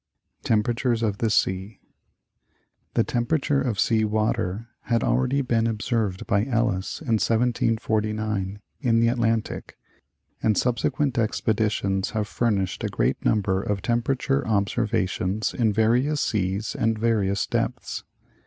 Temper A.TURE of the Sea. The temperature of sea water had already been observed by Ellis, in 1749, in the Atlantic, and subsequent expeditions have furnished a great number of temperature observations in various seas and for various depths.